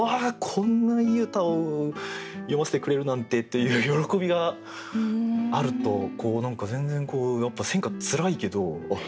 こんないい歌を読ませてくれるなんて」っていう喜びがあると何か全然やっぱり選歌つらいけどあっ